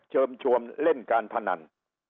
เชิญชวนเล่นการพนัน